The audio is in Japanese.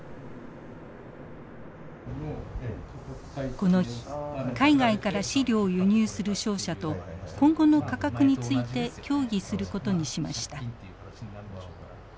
この日海外から飼料を輸入する商社と今後の価格について協議することにしました。